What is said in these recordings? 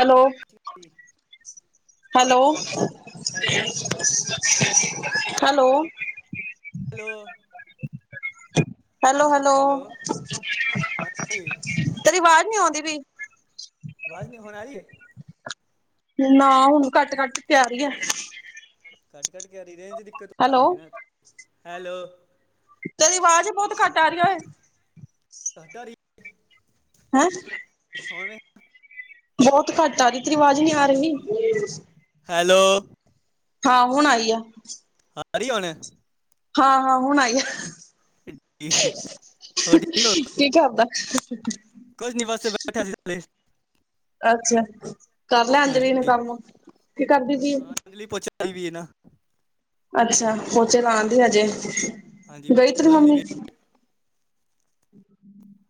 Hello. ਚਛੀ [unintelligible] hello [inaudible] hello [inaudible] hello hello hello, [inaudible] ਹਾਂਜੀ ਤੇਰੀ ਅਵਾਜ਼ ਨੀ ਆਉਂਦੀ ਪਈ। ਆਵਾਜ਼ ਨਹੀਂ ਹੋਣ ਆ ਰਹੀ ਏ ਨਾ ਹੁਣ ਘੱਟ ਘੱਟ ਕੇ ਆਰੀ ਹੈ। ਘੱਟ ਘੱਟ ਕੇ ਆਰੀ ਰੇਂਜ ਦਿੱਕਤ ਹੋ ਹੈਲੋ, ਹੈਗੀ ਨਾ, ਹੈਲੋ। ਤੇਰੀ ਆਵਾਜ਼ ਬਹੁਤ ਘੱਟ ਆ ਰੀ ਔ ਏ। ਘੱਟ ਆਰੀ। ਹੈਂ। ਹੁਣ ਬਹੁਤ ਘੱਟ ਆ ਰਹੀ ਤੇਰੀ ਆਵਾਜ਼ ਨਹੀਂ ਆ ਰਹੀ [unintelligible] ਹੈਲੋ। ਹਾਂ ਹੁਣ ਆਈ ਆ। ਹਾਂ ਆਰੳ ਹੁਣ। ਹਾਂ ਹਾਂ ਹੁਣ ਆਈ ਆ ਹਹਹਂ। ਹੋਰ ਕੀ ਕਰਦਾ। ਕਝ ਨਿਵਾਸ ਸ ਬੈਠ। ਅੱਛਾ। ਕਰ ਲਿਆਦੇ ਰਨ ਕੰਮ, ਕੀ ਕਰਦੀ ਸੀ। ਅਜਲੀ ਪਚ ਵੀ ਇਹ ਨਾ। ਅੱਛਾ। ਪੋਚੇ ਲਉਣ ਦੀ ਹਜੇ, ਹਾਂਜੀ ਗਈ ਤਰੀ ਚਲਾਉਂਦੀ ਮੰਮੀ। ਵੀ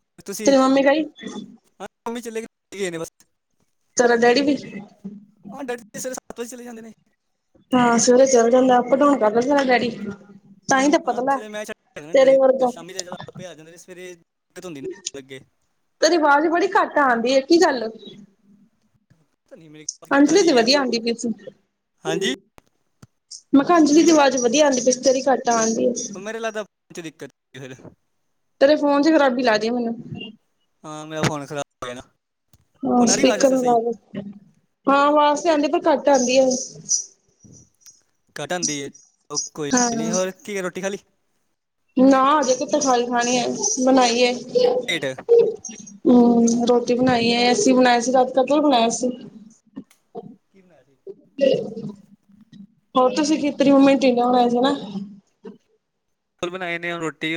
ਹੈ। ਤੁਸੀਂ ਤੁ ਮੰਮੀ ਗਈ। ਹਾਂ ਮੰਮੀ ਚਲੇ ਗਏ ਨੇ ਬਸ। ਤੇਰਾ ਡੈਡੀ ਵੀ। ਹਾਂ, ਸਾਡੇ ਸਵੇਰੇ ਸੱਤ ਵਜੇ ਚਲੇ ਜਾਂਦੇ ਨੇ। ਹਾਂ, ਸਵੇਰੇ ਚਲ ਜਾਂਦਾ ਅਪ-ਡਉਣ ਕਰਦਾ ਸਾ ਡੈਡੀ। ਤਾਂ ਹੀ ਤਾਂ ਹਾਂ ਪਤਲਾ ਵੇ ਮੈਂ ਛੱਡ ਆਡ, ਤੇਰੇ ਵਰਗਾ ਸ਼ਾਮੀ ਚ' ਆਪੇ ਆ ਜਾਂਦਾ, ਤੇ ਸਵੇਰੇ ਦਿੱਕਤ ਹੁੰਦੀ ਲੱਗੇ। ਤੇ ਵਾਜ਼ ਬੜੀ ਘੱਟ ਆਉਂਦੀ ਹੈ ਕੀ ਗੱਲ। ਨੀ ਮੇਮੀ। ਅੰਜਲੀ ਤੇ ਵਧੀਆ ਆਉਂਦੀ। ਹਾਂਜੀ ਮੈ ਆਖਾਯ ਅੰਜਲੀ ਦੀ ਆਵਾਜ਼ ਵਧੀਆ ਆਉਂਦੀ ਪੈਈ ਸੀ, ਤੇਰੀ ਘਟ ਆਉਂਦੀ ਹੈ। ਮੇਰੇ ਲੱਗਦਾ, ਦਿੱਕਤ ਫਿਰ। ਤੇਰੇ ਫੋਨ ਚ' ਖਰਾਬੀ ਲਾਦੀ ਮੈਨੂੰ। ਹਾਂ, ਮੇਰਾ ਫੋਨ ਖਰਾਬ ਹੋ ਗਿਆ ਨਾ। ਹਾਂ, ਹੁਣ ਆ ਰਹੀ ਆਵਾਜ਼ ਸਪੀਕਰ ਵੈਸੇ ਸਹੀ ਲਾਵਲੋ, ਹਾਂ, ਆਵਾਜ਼ ਤੇ ਆਉਂਦੀ, ਪਰ ਘੱਟ ਆਉਂਦੀ ਆ। ਘੱਟ ਆਂਦੀ ਹੈ, ਕੋਈ ਹਾਂ ਹੋਰ ਕੀ ਹੈ ਰੋਟੀ ਖਾ ਲੀ। ਨਾ, ਅੱਜੇ ਕੇਤ ਖਾ ਖਾਣੀ ਹੈ, ਬਣਾਈਏ। ਲੇਟ ਹਮ ਰੋਟੀ ਬਣਾਈ ਹੈ ਏ, ਅਸੀਂ ਬਣਾਇਆ ਸੀ ਰਾਤ ਕਦੂ ਬਣਾਇਆ ਸੀ। ਕੀ ਬਨਾਆ ਜੇ। ਹੋਰ ਤੁਸੀਂ ਖਤਰੀ ਮੰਮਮੀਟੀਨ ਹੋਣਾਏ ਸੀ ਨਾ। ਬਣਾਏ ਨੇ ਰੋਟੀ,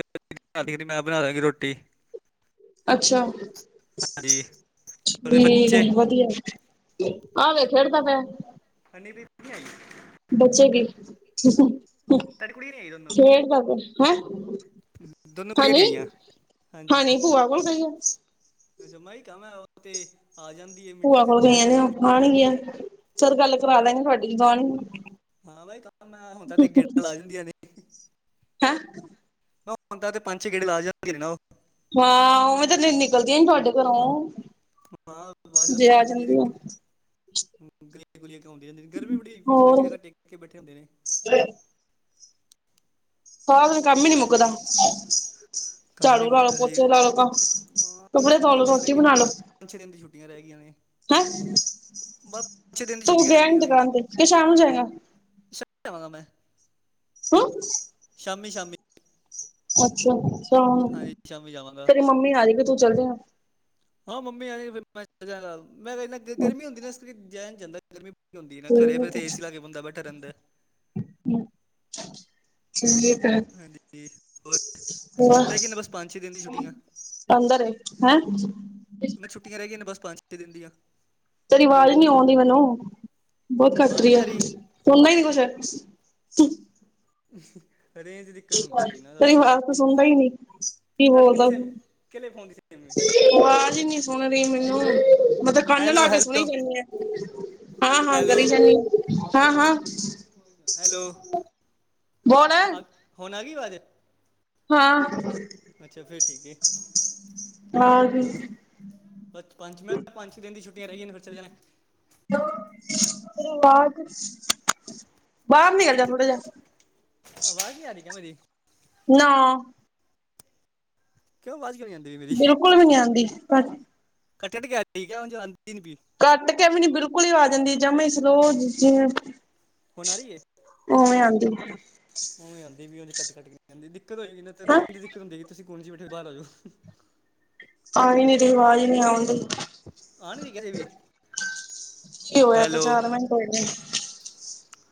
ਮੈਂ ਬਣਾ ਦਾਂਗੀ ਰੋਟੀ। ਅੱਛਾ। ਹਾਂਜੀ ਤੁਹਾਡੇ ਠੀਕ ਬੱਚੇ ਹੈ, ਵਧੀਆ। ਹਵੇ ਖੇਡਦਾ ਪੈ। ਹਨ ਰ [unintelligible] ਬਚੇਗੀ, ਤੁਹਾਡੀ ਕੁੜੀ ਨਹੀਂ ਆਈ ਦੋਨੋਂ ਖੇਡਦਾ ਪੈਹਾ ਹੈਂ। ਦੋਨੋਂ ਕੁੜੀਆਂ ਨਹੀਂ ਹਾਨੀ, ਆਈਆਂ ਹਾਨੀ ਭੂਆ ਕੋਲ ਗਈ ਆ। ਜਮਾ ਹੀ ਕੰਮ ਹੈ ਉਹ ਤੇ, ਆ ਜਾਣ। ਭੂਆ ਹੋ ਗਈਆਂ ਨੇ, ਆਣਗੀਆਂ ਫੇਰ ਗੱਲ ਕਰਾ ਦਿਆਂਗੇ ਤੁਹਾਡੀ, ਜਦੋਂ ਆਣੀ ਹਾਂ ਬਾਈ, ਮੈਂ ਹੁਣ ਤਾਂ ਤੇ ਗੇੜਾ ਲਾ ਜਾਂਦੀਆਂ ਨੇ। ਹੈਂ। ਹੰਦਾ ਤੇ ਪੰਜ-ਛੇ ਗੇੜੇ ਲਾ ਜਾਂਨੇ ਨਾ ਉਹ। ਹਾਂ, ਉਵੇਂ ਤੇ ਨਿਕਲਦੀ ਆ ਨ ਤੁਹਾਡੇ ਘਰੋਂ, ਹਾਂ ਬਸ ਜੇ ਆ ਜਾਂਦੀਆਂ ਜਾਂਦੀ ਆ। ਨੇ ਗਲੀਆਂ- ਗਲੀਆਂ ਕੇ ਆਉਦੀ ਹੰਦੀ ਗਰਮੀ ਬੜੀ ਵੀ ਚ' ਲੈ ਕੇ ਹੋਰ ਜਗ੍ਹਾ ਟੇਕ ਕੇ ਬੈਠੇ ਹੁੰਦੇ ਨੇ। ਹੋ ਕੰਮ ਹੀ ਨੀ ਮੁੱਕਦਾ। ਕੰਮ ਝਾੜੂ ਨਹੀਂ ਲਾ ਲੋ, ਮੁੱਕਦਾ ਸਹੀ ਪੋਚੇ ਲਾ ਲੋ, ਤਾਂ ਹਾਂ, ਕੱਪੜੇ ਪਾ ਛੁੱਟੀਆਂ ਲੋ, ਬਸ ਰਹਿ ਰੋਟੀ ਗਈਆਂ ਨੇ ਬਣਾ ਲਾ ਲੋ। ਪੰਜ ਪੰਜ- ਛੇ ਦਿਨ ਦੀ ਛੁੱਟੀਆਂ ਰਹਿਈਆਂ ਨੇ। ਹੈਂ ਬਸ ਛੇ ਦਿਨ ਦੀ ਤੂੰ ਛੁੱਟੀਆਂ ਗਿਆ ਰਹਿ ਨੀ ਗਈਆਂ ਨੇ। ਦੁਕਾਨ ਤੇ ਕਿ ਸ਼ਾਮ ਨੂੰ ਜਾਏਗਾ ਵਾਂ ਮੈਂ। ਸੁਣਸ਼। ਸ਼ਾਮੀ- ਸ਼ਾਮੀ। ਅੱਛਾ- ਅੱਛਾ ਹਾਂਜੀ ਸ਼ਾਮੀ ਜਾਵਾਂਗਾ ਤੇਰੀ ਮੰਮੀ ਆ ਜਾਗੀ, ਤੂੰ ਚੱਲਜੇਗਾ। ਹਾਂ, ਮੰਮੀ ਮੈਂ, ਆਜੇਗੀ ਤੇ ਮੈਂ ਚੱਲ ਗਾ, ਗਰਮੀ ਹੁੰਦੀ ਨਾ ਜਾ ਨ ਜਾਂਦਾ। ਗਰਮੀ ਹੁੰਦੀ ਨਾ। ਘਰੇ ਫਿਰ ਏ ਸੀ ਲਾ ਕੇ ਬੈਠਾ ਰਹਿੰਦਾ। ਹਮ [inaudible] ਚਾਲਿਐ ਘਰ। ਹਾਂਜੀ। ਹੋਰ ਹੋ ਰਹਿ ਗਈਆਂ ਨੇ ਬਸ ਪੰਜ ਛੇ ਦਿਨ ਦੀ ਛੁੱਟੀਆਂ ਪੰੰਦਰੇ ਹੈਂ [unintelligible] ਮੈਨੂੰ ਛੱਟੀਆਂ ਰ ਗਈ ਨੇ ਬ ਪੰਜ ਛੇ ਦਿਨ ਦੀਆਂ। ਤੇਰੀਵਾਜ਼ ਹੀ ਨਹੀਂ ਆਉਣ ਦੀ ਮੈਨੂੰ ਬਹੁਤ ਘੱਟ ਆਵਾਜ਼ ਰਹੀ ਨਹੀਂ ਹੈ। ਆ ਫਦਾਈ ਨ ਕੁ ਸਰ ਰੇਂਜ ਦਿੱਕਤ ਹੁੰਦੀ ਹੋਏਗੀ ਨਾ ਤੇਰੀ ਸਾਡੀ ਉੱਧਰ ਆਵਾਜ਼ ਤਾਂ ਸੁਣਦਾ ਹੀ ਨੀ ਕੀ ਬੋਲਦਾ। ਕਿਲੇ ਫਉਦੀ ਸੀ [unintelligible] ਆਵਾਜ਼ ਇਨੀ ਸੁਣ ਰਹੀ ਮੈਨੂੰ ਮਤਲਬ ਕੰਨ ਲਾ ਹੈਲੋ ਕੇ ਸੁਣੀ ਹੈਲੋ ਜਾਂਦੇ ਆ। ਹਾਂ, ਹਾਂ ਹੈਲੋ ਕਰੀ ਜਾਂਦੀ ਹਾਂ, ਹਾਂ ਹੈਲੋ ਬੋਣ। ਹੋਨ ਆ ਗੀ ਵਾਜ਼। ਹਾਂ। ਅੱਛਾ ਫਿਰ ਠੀਕ ਹੈ ਹਾਂ ਹੋ ਤੇਰੀ ਬ ਪੰਜ ਮੈਂ ਪੰਜ ਛੇੇ ਦਿਨ ਦੀ ਛੁੱਟਟੀਆਂ ਰਹਿ ਗਈਆਂ ਨੇ ਫਿਰ ਚਲੇ ਜਾਣੇ। [unintelligible] ਪਾਰਕ ਬਾਹਰ ਨੀਕਲ ਜਾ ਥੋੜਾ ਦਿੱਕਤ ਜਿਹਾ। ਆਵਾਜ਼ ਨਹੀਂ ਆ ਰਹੀ ਕਿ ਮੇਰੀ ਨੌ। ਕਿਉ ਵਜ਼ ਗ ਜਾਂਦੀ [unintelligible] ਬਿਲਕੁਲ ਵੀ ਨੀ ਆਉਂਦੀ ਕਾ ਕੱਠੇ ਢਕ ਠੀਕ ਆ ਹੁਣ ਜਾਂਦੀ ਨੀ ਪਈ। ਕੱਟ ਕੇ ਵੀ ਨੀ ਬਿਲਕੁਲ ਹੀ ਆ ਜਾਂਦੀ ਜਮ ਸਲੋ। ਹੋਣਾ ਹੀ ਹੈ ਉਵੇਂ ਆਉਂਦੀ ਉ ਆਉਂਦੀ ਵੀ ਉਹ ਕੱਟ, ਕੱਟਂ ਦਿੱਕਤ ਹੋਏਗੀ ਰੇਜ ਦੀ ਆ ਦਿੱਕਤ ਹੁੰਦੀਗੀ ਤੁਸੀਂ ਕੋਣੇ ਚ ਬੈਠੇ ਬਾਹਰ ਆ ਜਾਓ। ਆ ਨੀ ਰਹੀ ਆਵਾਜ਼ ਨਹੀਂ ਆਉਣਦੀ। ਆ ਨਿ ਰਹੀ ਹਜੇ ਵੀ ਕੀ ਹੋਇਆ ਤਾਂ ਹੈਲੋ। ਚਾਰ ਮਿੰਟ ਹੋਏ ਨੇ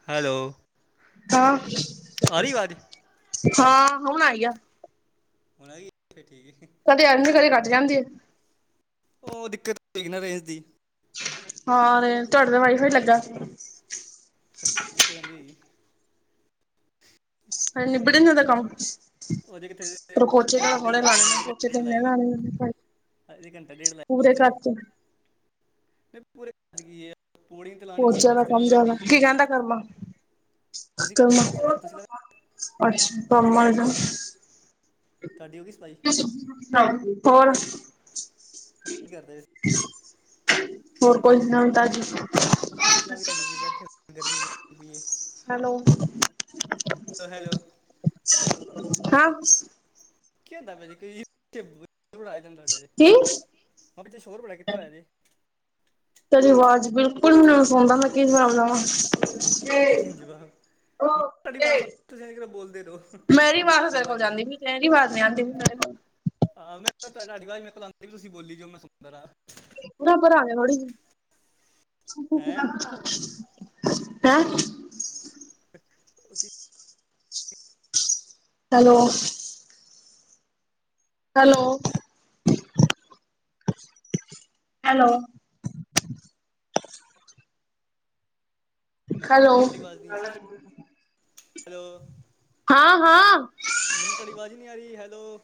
ਹੈਲੋ। ਹਾਂ, ਆ ਰਹੀ ਆਵਾਜ਼ ਹੁਣ ਹਾਂ ਹੁਣ ਆਈ ਆ। ਹੋਣਾ ਵੀ ਫਿਰ ਠੀਕ ਹੈ ਕਦੇ ਆਉਂਦੀ ਕਦੇ ਕੱਟ ਜਾਂਦੀ ਆ। ਉਹ ਦਿੱਕਤ ਹੋਏਗੀ ਨਾ ਰੇਂਜ ਦੀ। ਹਾਂ ਤੁਹਾਡੇ ਤੇ ਵਾਾਈ ਫਾਈ ਚਲਦਾ। ਕ ਜਾਂਉਦੀ ਹੈ ਜੀ [inaudible] ਹਾਂ ਨਿ ਬੜਨਦਾ ਕਮ ਉਹਦੇ ਕਿਥੇ ਪਰ ਪੋਚੇ ਤਾ ਘੰਟਾ ਡੇਢ ਹੁਣੇ ਲਾਏਗੀ ਲਾਣੇ ਨੇ ਪੋਚੇ ਤੇ ਹੁਣੇ ਲਾਣੇੇ ਪਰ ਇੱਕ ਘੰਟਾ ਡੇਢ ਲੱਖ ਹੋਚੀ। ਪੂਰੇਦਗੀ ਪੌੜੀ ਤੇਤੇ ਲਉਣੀ ਹੁੰਦੀ ਹੈ ਪੋਚਿਆਂ ਦਾ ਫਰਸੇ ਕੰਮ ਜ਼ਿਆਦਾ ਲਉੀੁੰਦੀ ਕੀ ਕਹਿੰਦਾ ਕਰਮਾ, ਤੁਸੀਂ ਕਰ ਲਿਆ ਪੋਚਾ ਕਰਮਾ ਤੁਸੀਂ ਲਾ ਅੱਛਾ [unintelligible] ਤੁਹਾਡੀ ਹੋ ਗਈ ਸਫਾਈ ਹੋਰ। ਕੀ ਕਰਦੇ। ਹੋਰ ਕੋਈ ਸੁਣਾ ਤਾਜ। ਬਸ ਨਵੀ ਤਾਜੀ ਕੀ ਬੈਠੇ ਹੋਏ ਗਰਮੀ ਬੜੀ ਹੋਈ ਦੀ ਏ। ਹੈਲੋ ਹੈ ਹੈਲੋ ਹਾਂ। ਕੀ ਹੁੰਦਾ ਪਿਆ ਜੇ ਕੋਈ [unintelligible] ਕਿ ਕੀ ਪਿੱਛੇ ਸ਼ੋਰ ਬੜਾ ਕੀਤਾ ਹੋਇਆ ਜੇ। ਤੇਰੀ ਆਵਾਜ਼ ਬਿਲਕੁਲ ਵੀ ਨਹੀਂ ਸੁਣਦਾ ਮੈਂ ਕੀ ਹਬ ਲਵਾਂ ਤੇ ਜਵਾਬ ਮੈਂ ਉਹ ਤੁਹਾਡੀ ਤੇ ਆਵਾਜ਼ ਸੁਣ- ਤੁਸੀਂ ਇਹ ਕਿਹੜਾ ਬੋਲਦੇ ਰਹੋ ਮੈਂਰੀ ਮੈਂ ਆਵਾਜ ਤੁਹਾਡੀ ਤੇਰੇ ਕੋਲ ਆਵਾਜ਼ ਹੁੰਦੀ ਜਾਂਦੀ ਪੀ। ਤੇਰੀ ਅਵਾਜ ਨੀ ਆਂਦੀ ਪਈ ਮਾੜੀ, ਮਾੜੀ ਆ ਮੈਂ ਕਿਹਾ ਤੁਹਾਡੀ ਅਵਾਜ ਵਾ ਮੇਰੇ ਕੋਲ ਆਂਦੀ ਵੀ ਤੁਸੀਂ ਬੋਲੀ ਜੋ ਮੈਂ ਸੁਣਦਾ ਰਾ। ਊਰਾ ਪਰਾ ਹੋ ਜਾ ਥੋੜੀ ਜੀ। ਹੈ [unintelligible] ਕੀ ਹੇਲੋ। Hello hello. ਹੈਲੋ [unintelligible] ਵਾਜ਼ ਨੀ ਏ ਹੈਲੋ। ਹਾਂ-ਹਾਂ ਮੈਨੂੰ ਤੁਹਾਡੀ ਆਵਾਜ਼ ਹੀ ਨਹੀਂ ਆ ਰਹੀ ਹੈਲੋ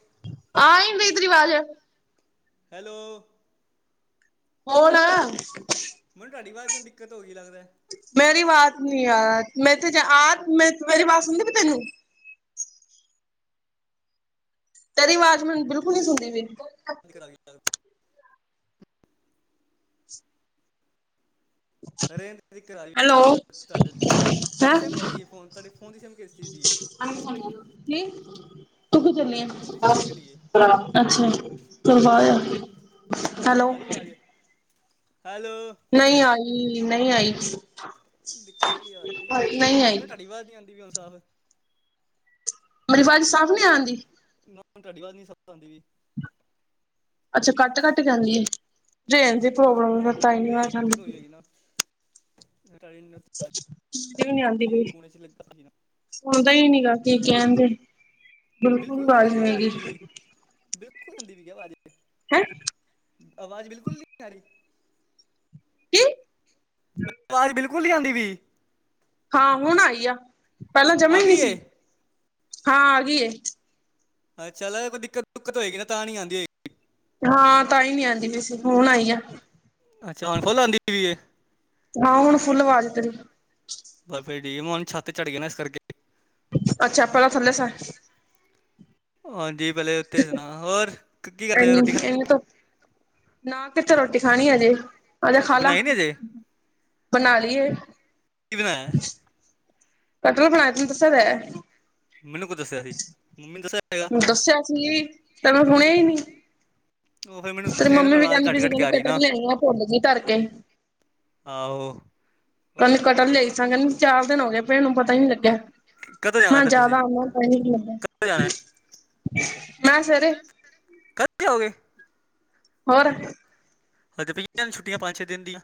ਆਈ ਵੀ ਤੇਰੀ ਅਵਾਜ਼। ਹੈਲੋ ਬੋਲ। ਮੈਨੂੰ ਤੁਹਾਡੀ ਆਵਾਜ਼ ਨੂੰ ਦਿੱਕਤ ਹੋ ਗਈ ਲੱਗਦਾ ਮੇਰੀ ਆਵਾਜ਼ ਨੀ ਯਾਰ ਮੈਂ ਤੇ ਆ ਮੈਂ ਮੇਰੀ ਆਵਾਜ਼ ਸੁਣਦੀ ਪਈ ਤੈਨੂੰ? ਤੇਰੀ ਆਵਾਜ਼ ਮੈਨੂੰ ਬਿਲਕੁਲ ਨੀ ਸੁਣਦੀ ਪੀ। [unintelligible] [unintelligible] ਕਰ ਹੈਲੋ ਤੁਹਾਡੇ, ਤੁਹਾਡੇ ਤੁਹਾਡੀ ਹੈਂ। ਸਿਮ ਕੇ ਲਈਏ ਫੋਨ ਤੁਹਾਡੇ ਫੋਨ ਦੀ ਸਮਿਮ ਕਿਸ ਚੀਜ਼ ਦੀ ਹੈ। [unintelligible] ਤੁਹਾਡੇ ਫੋਨ ਦੀ ਅੱਛਾ ਸਿਮ ਕੇ ਲਈ ਜੀ [unintelligible] ਆਰੀ ਵਾਜ, ਹੈਲੋ। ਨਹੀਂ ਆਈ-ਨਹੀਂ ਆਈ। ਦਿੱਕਤ ਏ ਆ ਰੀਏ ਨਹੀਂ ਆਈ ਮੈਨੂੰ ਤੁਹਾਡੀ ਆਵਾਜ਼ ਨੀ ਆਦੀ ਪਈ ਹੁਣ ਸਾਫ਼। ਮੇਰੀ ਆਵਾਜ਼ ਸਾਫ਼ ਨਈਂ ਆਉਂਦੀ। ਨਾ ਤੁਹਾਡੀ ਆਵਾਜ਼ ਨੀ ਸਮ ਆਉਂਦੀ ਪੀ। ਅੱਛਾ ਕਟ-ਕਟ ਆਂਦੀ ਐ। ਹਾਂ ਕੱਟ-ਕੱਟ ਦੀ ਵਾਜ਼ ਆਜੇਗੀ ਵੇ ਦਿੱਕਤ ਆਂਦੀ ਪਈ ਹੋਈ ਹੈਗੀ ਨਾ [unintelligible] ਵੀ ਨੀ ਆਉਂਦੀ ਜਾਏਗੀ ਪਈ, ਕੋਨੇ 'ਚ ਲੱਗਾ ਸੀ ਨਾ ਸੁਣਦਾ ਹੀ ਹਾਂਜੀ ਨਾ ਕੀ ਕਹਿੰਦੇ ਬਿਲਕੁਲ ਨਹੀਂ ਆ ਰਹੀ ਆਵਾਜ਼ ਕਿਆ ਨੀ ਹੈਗੀ। ਮੇਰੀ [unintelligible] [unintelligible] ਆਵਾਜ਼ ਬਿਲਕੁਲ ਨੀ ਆ ਰੀ। ਕੀ ਮ ਆਵਾਜ਼ ਬਿਲਕੁਲ ਨੀ ਆਉਂਦੀ ਪੀ? ਹਾਂ ਹੁਣ ਆਈ ਆ, ਪਹਿਲਾਂ ਆ ਜਮਣ ਨੀ ਗਈ ਏ ਸੀ, ਹਾਂ ਆ ਗੀ ਏ। ਅ ਚੱਲ ਕੋਈ ਦਿੱਕਤਕਤ ਹੋਏਗੀ ਨਾ ਤਾਂ ਨੀ ਆਂਦੀ ਹੋਈ। ਹਾਂ ਤਾਂ ਹੀ ਨੀ ਆਉਂਦੀ ਪੀ ਸੀ ਹੁਣ ਆਈ ਆ। ਅੱਛਾ ਹੁਣ ਫੁੱਲ ਆਉਂਦੀ ਪਈ ਏ। ਹਾਂ ਹੁਣ ਫੁੱਲ ਆਵਾਜ਼ ਤੇਰੀ। ਪਰ ਫੇਰ ਠੀਕ ਮੈ ਛੱਤ ਚੜ੍ਹ ਗਿਆ ਨਾ ਇਸ ਕਰਕੇ। ਅੱਛਾ ਪਹਿਲਾਂ ਥੱਲੇ ਸਾ [unintelligible] ਹਾਂਜੀ। ਪਹਿਲੇ ਉੱਥੇ ਸੁਣਾ ਹੋਰ ਕੀ ਕਰਦੇ ਨੇ ਰੋਟੀ ਖਾ ਇਹਨੇ ਤੋਂ ਨਾ ਕਿਥੇ ਰੋਟੀ ਖਾਣੀ ਹਜੇ ਆਜਾ ਖਾ ਲਾ। ਬਣਾਈ ਨੀ ਅਜੇ ਕੀ ਬਣਾ ਲੀ ਏ ਬਣਾਇਆ? ਕਟਲ ਬਣਾਇਆ ਤੈਨੂੰ ਦਸਿਆ ਤੇ ਹੈ। ਮੈਨੂੰ ਕੁਝ ਦੱਸਿਆ ਸੀ, ਮੰਮੀ ਦੱਸਿਆ ਹੋਏਗਾ। ਦੱਸਿਆ ਸੀ ਤੈਨੂੰ ਸੁਣਿਆ ਹੀ ਨੀ। ਉਹੀ ਫੇਰ ਮੈਨੂੰ [inaudible] ਆਵਾਜ਼ ਕਹਿੰਦੀ ਪਈ ਸੀ ਕੱਟ-ਕੱਟ ਕੇ ਕਹਿੰਦੀ ਆ ਰਹੀ ਏ ਨਾ। ਕਟਰ ਲਿਆਈ ਆ ਭੁੱਲ ਗਈ ਧਰ ਕੇ ਆਹੋ। ਕੱਲ ਹੋਰ ਕਟਹੱਲ ਲਿਆਈ ਸਾ ਕਹਿੰਦੀ ਚਾਰ ਦਿਨ ਹੋ ਗਏ ਭੈਣ ਨੂੰ ਪਤਾ ਹੀ ਨੀ ਲੱਗਿਆ। ਕਦੋਂ ਜਾਣਾ ਮੈਂ ਫਿਰ ਤੁਸੀਂ ਜਾਦਾ ਆਉਦਾ ਟਾਈਮ ਨੀ ਲਗਾ, ਕਦੋਂ ਜਾਣਾ ਮੈਂ ਸਵੇਰੇ ਕਦ ਜਾਓਗੇ? ਹੋਰ। ਸਾਡੇ ਪਈ ਦੀਆ ਨ ਛੁੱਟੀਆਂ ਪੰਜ ਛੇ ਦਿਨ ਦੀਆ।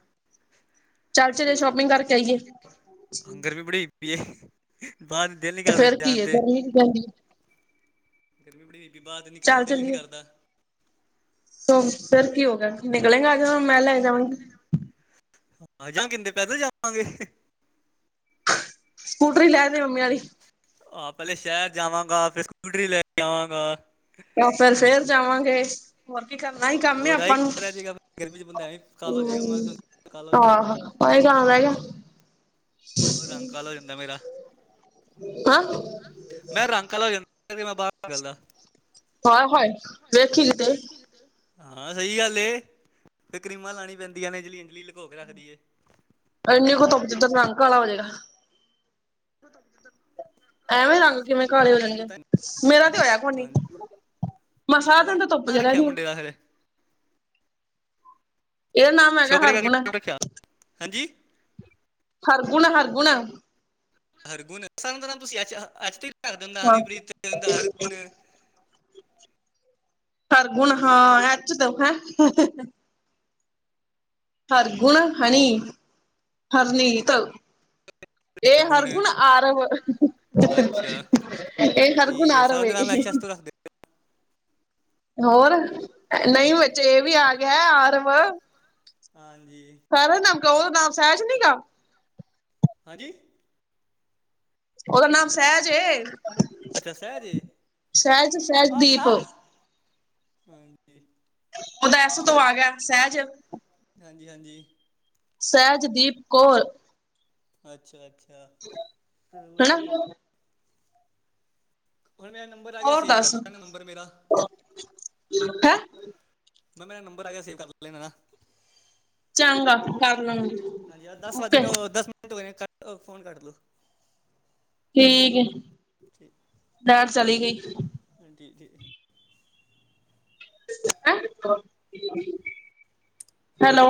ਚੱਲ ਚਲੀਏ ਸ਼ੋਪਿੰਗ ਕਰਕੇ ਆਈਏ। ਹੰਗਰ ਵੀ ਬੜੀ ਹੈ ਬਾਅਰ ਦਿਲ ਨੀ ਤੇ ਕਰਦਾ ਫੇਰ ਜਾਣ ਕੀ ਹੈ ਤੇ ਗਰਮੀ [unintelligible] ਗਰਮੀ ਬੜੀ ਹੋਈ ਪਈ ਬਾਰ ਨਿਕਲਨ ਦਾ ਚੱਲ ਦਿਲ ਈ ਨਈ ਚਲੀਏ ਕਰਦਾ। ਫਿਰ ਕੀ ਹੋਗਾ ਨਿਕਲੇਗਾ ਆਜ ਮਹਿਲਾ ਆ ਜਾਵਾਂਗੇ। ਹਾਂ ਜਾਂ ਕਿੰਨਦੇ ਪੈਦਲ ਜਾਵਾਂਗੇ। ਸਕੂਟਰੀ ਲੈਂਦੇ ਮੰਮੀ ਵਾਲ਼ੀ। ਆਹ ਪਹਿਲੇ ਸ਼ਹਿਰ ਜਾਵਾਂਗਾ ਫਿਰ ਸਕੂਟਰੀ ਲੈ ਕੇ ਆਵਾਂਗਾ। ਤਾਂ ਹੁਣ ਫਿਰ ਫੇਰ ਜਾਵਾਂਗੇ। ਹੋਰ ਕੀ ਕਰਨਾ ਆਹੀ ਕੰਮ ਹੋਰ ਆਈ ਆਪਾਂ ਨੂੰ ਰਹਿ ਜਾਏਗਾ ਗਰਮੀ ਚ ਬੰਦਾ ਐਵੇਂ ਕਾਲ ਹੋ ਜਾਏਗਾ ਮੈਂ ਤਾਂ ਹੂੰ। ਕਾਲ ਹੋ ਆਹਾ ਇਹੀ ਕੰਮ ਰਹਿ ਗਿਆ। ਹੋਰ ਰੰਗ ਕਾਲਾ ਹੋ ਜਾਂਦਾ ਮੇਰਾ। ਹਾਂ। ਮੈਂ ਰੰਗ ਕਾਲਾ ਯਾਜਾਂ ਜੇ ਤਾਂ ਮੈਂ ਬਾਹਰ ਨਿਕਲਦਾ। ਆਏ ਹਾਏ। ਹਾਏ ਵੇਖੀ ਕਿਤੇ ਵੇਖੀ ਕਿਤੇ। ਹਾਂ ਸਹੀ ਗੱਲ ਏ ਤੇ ਕਰੀਮਾਂ ਲਾਉਣੀ ਪੈਂਦੀਆਂ ਨੇ ਇੰਜਲੀ ਇੰਜਲੀ ਲੁਕੋ ਕੇ ਰੱਖਦੀ ਏ। ਇੰਨੀ ਕੁ ਧੁੱਪ 'ਚ ਤੇਰਾ ਰੰਗ ਕਾਲਾ ਹੋ ਜਾਵੇਗਾ। ਬਹੁਤ ਉਹ ਖ਼ਤਰ ਨਾ। [unintelligible] ਐਵੇਂ ਰੰਗ ਕਿਵੇਂ ਕਾਲੇ ਹੋ ਜਾਣਗੇ ਮੇਰਾ ਤੇ ਹੋਇਆ ਕੋਣੀ। ਹਾਂਜੀ ਮੈ ਸਾਰਾ ਦਿਨ ਹੋਰ ਤਾਂ ਤਾਂ ਧੁੱਪ ਕਿਆ ਚ ਰੈ ਰੱਖਿਆ ਨੀ ਆ ਮੁੰਡੇ ਦਾ ਫਿਰ ਇਹਦਾ ਨਾਮ ਹੈਗਾ ਛੋਕਰੇ ਦਾ ਹਰਗੁਣ ਕਿਹੜਾ ਰੱਖਿਆ ਹਾਂਜੀ ਹਰਗੁਣ ਹਰਗੁਣ। ਹਰਗੁਨ ਸ ਦਾ ਨਾਮ ਤੁਸੀਂੱ ਐਚ ਤੋ ਰੱਖ ਦਿੰਦਾ ਹਨੀਪ੍ਰੀਤ ਹਰਗੁਨ [unintelligible] ਹਰਗੁਣ ਹਾਂ ਐਚ ਤੋਂ ਹੈ। ਹਰ ਗੁਣ ਹਨੀ ਹਰ ਨੀਤ ਲ ਇਹ ਹਰ ਹਰਗੁਣ ਗੁਣ ਆਰਵ। ਅੱਛਾ ਇਹ ਬਸ ਹਰਗੁਣ ਠੀਕ ਹੈ ਆਰਵ ਸਰ ਏ। ਦਾ ਨਾਮ ਐਚ ਐਸ ਤੋਂ ਰੱਖ ਦਿਓ ਹੋਰ ਨਹੀਂ ਵਿਚ ਏ ਵੀ ਆ ਗਿਆ ਆਰਵ। ਹਾਂਜੀ। ਦਾ ਨਾਮ ਉਹਦਾ ਨਾਮ ਸਹਿਜ ਨੀ ਗਾ। ਹਾਂਜੀ। ਉਹਦਾ ਨਾਮ ਸਹਿਜ ਏ। ਅੱਛਾ ਸਹਿਜ ਏ ਸਹਿਜ ਸਹਿਜਦੀਪ ਅੱਛਾ ਉਹਦਾ ਹਾਂਜੀ [unintelligible] ਉਹਦਾ ਐਸ ਤੋਂ ਆ ਗਿਆ ਸਹਿਜ। ਹਾਂਜੀ ਹਾਂਜੀ। ਸਹਿਜਦੀਪ ਕੌਰ। ਅੱਛਾ ਅੱਛਾ ਚਲੋ ਹਨਾ ਵਧੀਆ। ਹੁਣ ਮੇਰਾ ਨੰਬਰ ਆ ਗਿਆ ਹੋਰ ਸੇਵ ਕਰ ਲੈਂਣਾ ਨੰਬਰ ਮੇਰਾ। ਹੈ। ਮੈਂ ਮੇਰਾ ਨੰਬਰ ਆ ਗਿਆ ਸੇਵ ਕਰ ਲੈ ਨਾ ਚੰਗਾ ਕਰ ਲੂੰਗੀ ਹਾਂਜੀ ਦਸ ਵਜ ਗਏ ਨਾ ਦਸ ਮਿੰਟ ਹੋਏ ਨਾ ਫੋਨ ਕੱਟ ਲੋ। ਠੀਕ ਠੀਕ ਲੈਟ ਚਲੀ ਗਈ। ਹਾਂਜੀ ਜੀ। ਹੈਲੋ।